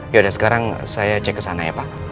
yaudah sekarang saya cek kesana ya pak